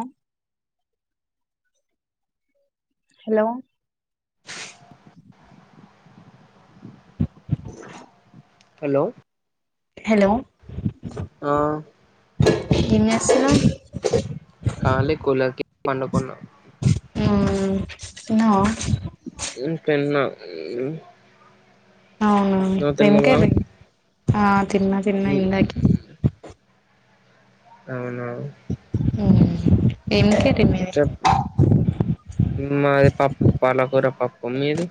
ఆ hello hello hello ఆ ఏంజెస్తున్నావ్? కాలి కులకి పండుకున్నా ఆ తిన్నావా? ఉమ్ తిన్నా ఊ అవునా? ఇంకేబి ఆ తిన్న తిన్న ఇందాకే. అవునా? మ్మ్ చెప్పు మాది పప్ పాలకూర పప్పు మీది?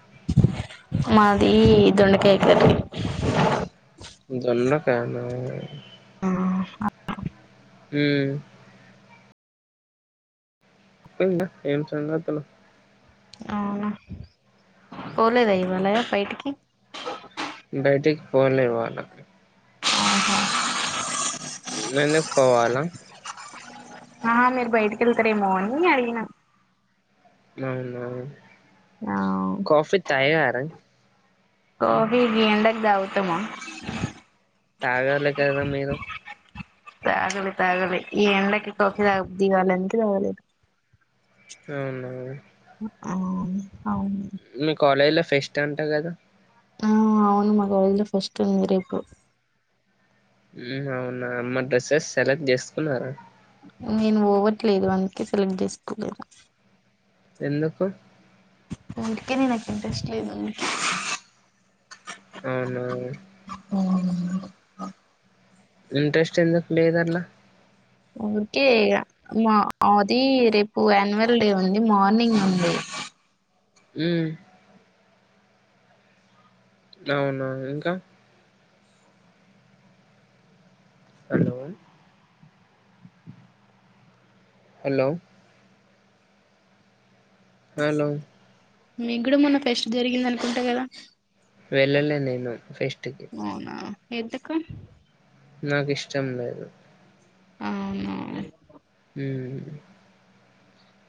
మాది దొండకాయ కర్రీ. జొన్న ఫానా? ఆ హు ఇంగ ఏం సంగతులు అవున పోలేద ఇవాల బైటికి బయిటికి పోలె ఇవాల ఆహ నేనే పోవాలా ఆ మీరు బయటికి వెళ్తారేమో అని అడిగిన నవునా ఆ కాఫీ తాగార కాఫీ గీ ఎండకి తాగుతామ తాగాలి కదా మీరు తాగలి తాగలి ఈ ఎండకి కాఫి తాగబుద్ధి కాలె అందుకె తాగలే అవునా ఉ అవును మీ కాలేజ్ లో ఫెస్ట్ అంట కదా? ఆ అవును మా కాలేజీలో ఫెస్ట్ ఉంది రేపు. మ్మ్ అవునా మరి డ్రెస్సెస్ సెలెక్ట్ చేసుకున్నరా? నేను వోవట్లేదు అందుకే సెలెక్ట్ చేసుకోలేదు. ఎందుకు? ఊరికెనే నాకు ఇంట్రెస్ట్ లేదు అందుకే. అవునా ఇంట్రెస్ట్ ఎందుకు లేదట్ల ఊర్కె ఇగ మా అదీ రేపు అన్యువల్ డే ఉంది మార్నింగ్ ఉంది. మ్మ్ అవునా ఇంకా హలో హలో హలో మీకు గూడ మొన్న ఫెస్ట్ జరిగింది అనుకుంట గదా! వెళ్ళలే నేను ఫెస్ట్ కి అవునా ఎందుకు? నాకు ఇష్టం లేదు. అవునా హ్మూ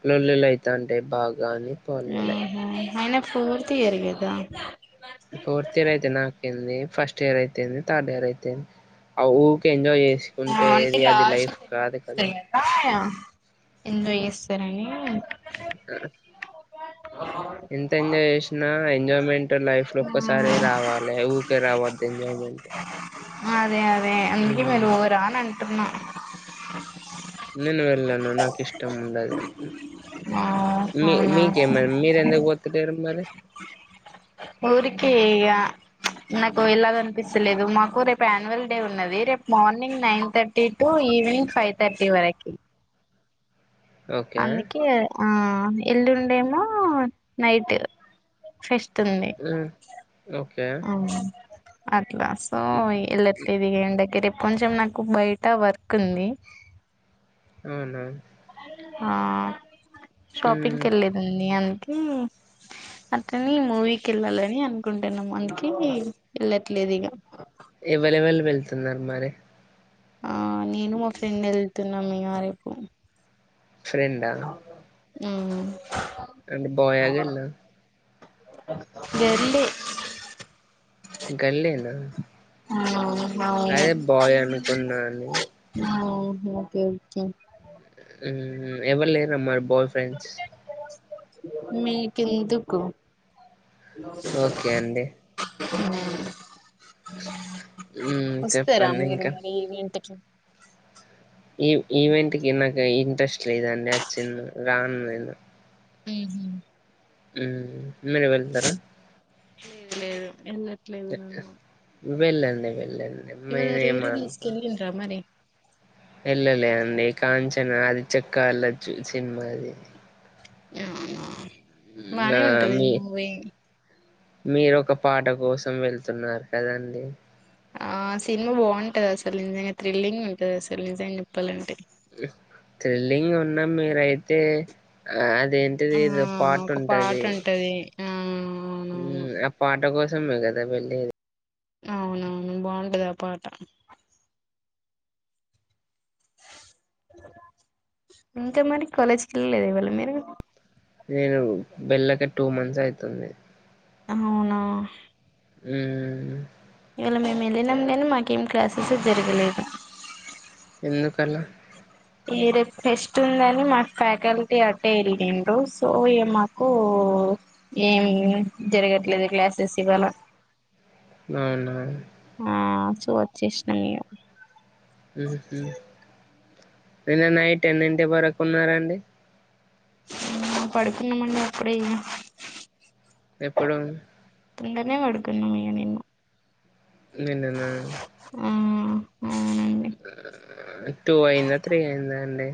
లొల్లిలు అయితాం టయి బాగ అని పోలెలే. ఆహా అయినా ఫోర్త్ ఇయరే గదా ఫోర్త్ ఇయర్ అయితే నాకేంది, ఫస్ట్ ఇయర్ అయితేంది, థర్డ్ ఇయర్ అయితేంది, ఆ ఊకే ఎంజాయ్ చే ఆ అంటే లాస్ట్ కదా టెన్ మినిట్స్ [inaudible] ఎంజాయ్ చేస్తరని ఎంత ఎంజాయ్ చేసినా ఎంజాయ్మెంట్ లైఫ్ లో ఒక్కసారే రావాలే, ఊకే రావొద్దు ఎంజాయ్మెంట్. అదే అ దే అందుకే మీరు ఉమ్ పో అంటున్న నేను వెళ్లను నాకు ఇష్ టం ఉండదు. ఆ మీ అవునా మీకేం మరి మీరెందుకు పోతల్లేరు మరి? ఊరికే ఇగా ప్చ్ నాకు వెళ్లాలనిపిస్తలేదు. మాకు రేపు యాన్యువల్ డే ఉన్నది రేపు morning nine thirty to evening five thirty వరకి. ఓకే అందుకే ఆ ఎల్లుండేమో నైట్ ఫెస్ట్ టుంది మ్మ్ ఓకే ఆ గా సో హ్మ్. ఎళ్ళట్లేదు ఇగ ఎండకి రేప్ కొంచెం నాకు బయట వర్క్ ఉంది. అవునా ఆ మ్మ్ షాపింగ్కి వెళ్లలేదండి అందుకే ఉ అ ని మూవీకి వెళ్లాలని కుంటున్నాము అందుకే వెళ్ళట్లేదు ఇగా ఎవైలేవెల్ తున్నారు మరి ఆ నేను మా ఫ్రెండ్ వెళ్తు న్న మ అరేపు ఫ్రెండా హ్మ్మ్ [inaudible] గర్లే [unintelligible] గల్లేనా ఆ అవును అదే ఆహా బాయ్ అనుకున్నాను [inaudible] హ్మ్మ్ ఎవరులేరు నా మాట బాయ్ ఫ్రెండ్స్ మీకెందుకు ఓకే అండి అ మ్మ్ వస్తారా చెప్పండి మీరు ఇంకా మరి ఇంటికి ఈ ఈవెంట్ కి నాకు ఇంట్రెస్ట్ లేదండి అచ్చింది రాను నేను హు హ్మ్మ్ మీరే వెళ్తారా లేదు లేదు ఎందు ట్లేదు నన్ను వెళ్ళండి వెళ్ళండి ఇవళ నేను రేరు ఏమనను తీస్కెల్లిన్ర మరి వెళ్ళలే అండి కాంచనా అది చెక్క వెళ్ళచ్చు సినిమా అది అవునా బానే నా ఉంటది మీ మూవీ మీరు ఒక పాట కోసం వెళ్తున్నారు కదండి ఆ సినిమా బాగుంటది అసలు నిజంగా థ్రిల్లింగ్ ఉంటది అసలు నిజంగా చెప్పాలంటే త్రిల్లింగ్ ఉన్నాం మీరయితే ఆ అది అదేంటిది ఆ ఇదో పార్టు ఒక పాట ఉంటది ఉంటది ఆ అవునవును సమకదా వెళ్లేదీ అవునవును బాగుంటది ఆ పాట ఇంకా మరి కాలేజ్కి వెళ్ళలేద ఇవాళ మీరు నేను వెళ్ళక టూ మంత్స్ ఐతుంది అవునా ఊ ఇవాళ మేము వెళ్ళినం గానీ మాకేం క్లాసెస్ ఏ జరగలేదు ఎందుకలా ఈ రేపు ఫెస్ట్ ఉందని మా ఫ్యాకల్టీ అట్టే వెళ్ళండ్రు సో ఇగ మాకు ఏం జరగట్లేదు క్లాసెస్ ఇవాళ అవునా ఆ సో వచ్చేసినాం ఇగ ఉహుహూ నిన్న నైట్ ఎన్నింటి వరకు ఉన్నారండి ఊమ్ పడుకున్నామండి అప్పుడే ఇగ ఎప్పుడు తొందరనే వడుకున్నాం ఇగ నిన్న నిన్ననా ఆ అవునున్ టూ అయ్యిందా త్రీ అయ్యిందా అండి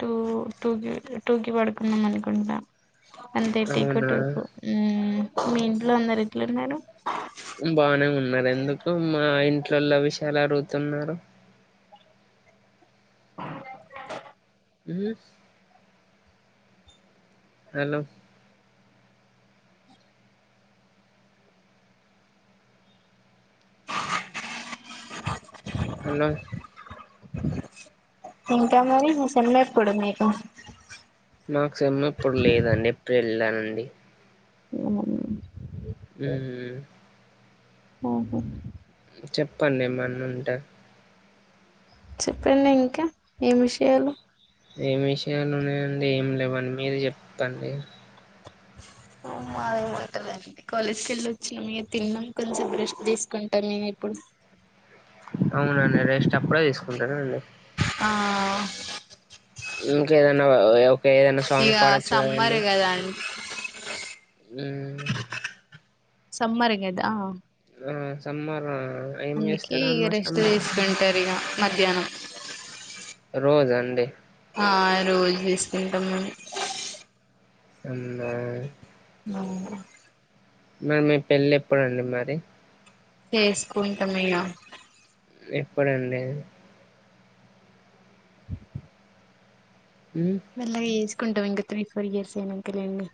టూ టూకి టూకి పడుకున్నం అనుకుంటా అంతేట్టీ కో అవునా టూ కో ఊమ్ మీ ఇంట్లో అందరు ఎట్లున్నరు బానే ఉన్నారు ఎందుకు మా ఇంట్లలో విషయాాల అడుగుతున్నారు ఊమ్ హలో హలో ఇంకా మీ సమ్మేపుడు మీకు నాకు సమ ఇప్పుడు లేదండి వెళ్ళండి ఊమ్ ఆహా చెప్పండి ఏమన్న ఉంటే చెప్పండి ఇంకా ఏం విషయాలు ఏం విషయాలున్నాయండి ఏం లేవండి మీరు చెప్పండి మాగా ఉంటందండి కాలేజ్ కెల్లి వచ్చిన మీ తిన్నాం కొంచెం బ్రెష్ తీసుకుంటా మేము ఇప్పుడు అవునండి రెస్ట్ అప్పుడే తీసుకుంటానండి ఆ ఇంకేదన్నా ఇంక ఏదైనా ఇగ సాంగ్ పాడొచ్చు సమ్మర్ కదండి కదా అం ఊమ్ సమ్మర్గదా ఆ సమ్మర అందుకే ఇగ రెస్ట్ తీస్కుంటారు ఇగ మధ్యాహ్నం రోజు అండి ఆ రోజు తీసుకుంటాము మేము అన్నా మరి మీ పెళ్ళి ఎప్పుడండి మరి చేసుకుంటా మిగ ఎప్పుడండి మ్మ్ వెళ్ళ గా ఏస్ కుంటం ఇంగ త్రీ ఫర్ ఇయర్స్ అయినాక లేండి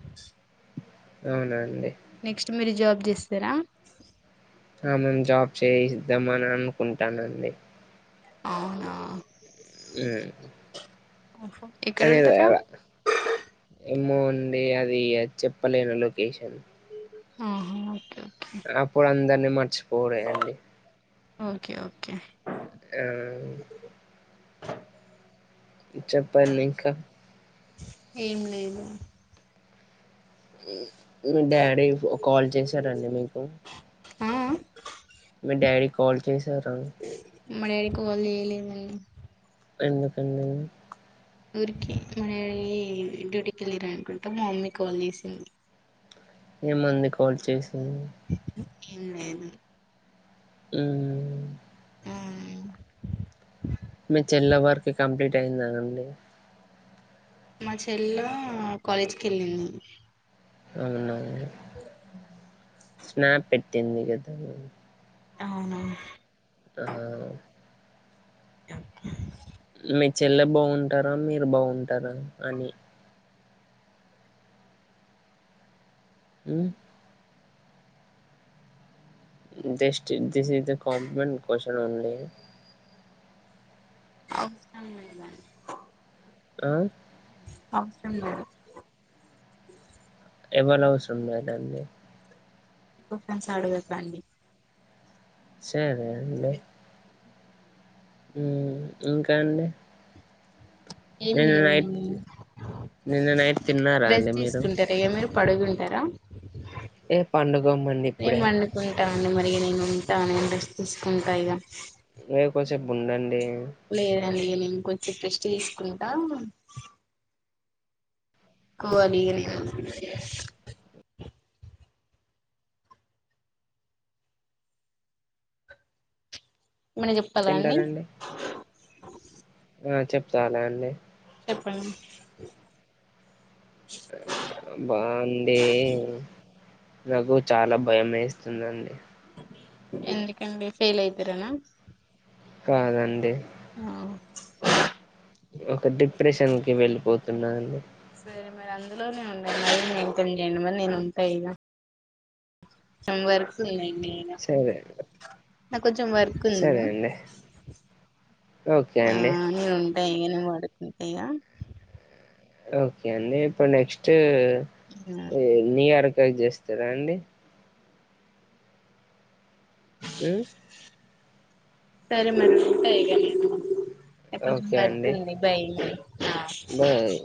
అవునా అండి నెక్స్ట్ మీర్ జాబ్ జేస్తారా ఆ మేం జాబ్ చేయిద్దామని అనుకుంటానండి అవునా హ్మ్. ఓహో. ఎక్కడ కానీ ఉంటారా ఈడయల ఇమో న్ డి అది చెప్పలేను లొకేషన్ ఆహా ఓకేే ఆప్పుడు అందరని మర్చిపోవుడే అండి ఓకే ఓకే ఆ చెప్పండి ఇంకా ఏం లేదు మ్మ్ మీ డాడీ ఫో కాల్ చేశారండి మీకు ఆ ఆ మీ డాడీ కాల్ చేసారా మా డాడీ కాల్ చేయలేదండి ఎందుకండి ఊరికే మా డాడీ డ్యూటీకి వెళ్ళర్ అనుకుంట మా మమ్మీ కాల్ చేసింది ఏమంది కాల్ చేసి ఏం లేదు ఊమ్ ఆ, మీ చెల్ల వరకు కంప్లీట్ అయిందా అండి మా చెల్ల కాలేజీకి ఎల్లింది అవునా స్నాప్ పెట్టింది కదూ అవునవును ఆహా మీ చెల్లె బాగుంటారా మీరు బాగుంటారా అని ఉమ్ dust the is the compliment question only అవసరం లేదండి ఆ అవసరం లేదు ఎవల అవసరంలేదండీ క్యూషన్స్ అడుగకండి సరే అండి ఊ ఇంకా అండి ఏం నిన్న నైట్ లేదండి నిన్న నైట్ తిన్నారా అండి మీరు పడుగుంటారా ఏ పండుకోమండి ఇప్పుడే అండి మరి నేను ఉంటా నేను రెస్ట్ తీసుకుంటా ఇగ యే కొసేపు ఉండండి. లేద్ [unintelligible] నేను కొంచెం రెస్ట్ తీసుకుంటా కోవ్యాలీ ఇగా నేను ఏమన్న చెప్పాలా అండి. తింటారండి చాలా అండి చెప్పండి బావుంది. నాకు చాలా భయం ఏస్తుందండి. ఎందుకండి ఫెయిల్ అయితరు అన కాదండి. ఆ ఒక డిప్రెషన్కి వెళ్ళిపోతున్నా అండి సరే మరి అందులోనే ఉండండి మారి [unintelligible] మరి నేను ఉంటా ఇగ సమ్ వర్క్ ఉన్నాయి. నేను సరే నాకు కొంచెం వర్క్ ఉంది. సరే అండి ఓకే ఆ అండి నేను ఉంట ఇగ [unintelligible] ఓకే అండి ఇప్పుడు నెక్స్ట్ ఏ ఎన్ని వరకు కాట్ జేస్తారా అండి హ్ సరే మరి ఉంటా ఇగా నేను కొంచెం వర్క్ ఉంది. Bye bye